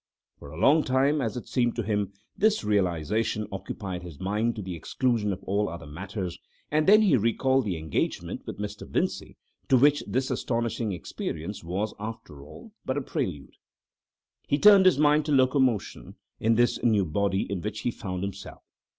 For a long time, as it seemed to him, this realisation occupied his mind to the exclusion of all other matters, and then he recalled the engagement with Mr. Vincey, to which this astonishing experience was, after all, but a prelude. He turned his mind to locomotion in this new body in which he found himself.